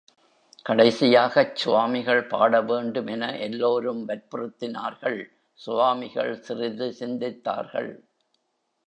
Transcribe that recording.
கடைசியாகச் சுவாமிகள் பாட வேண்டுமென எல்லோரும் வற்புறுத்தினார்கள் சுவாமிகள் சிறிது சிந்தித்தார்கள்.